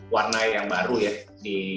warna yang baru ya